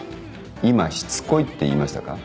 今「しつこい」って言いましたか？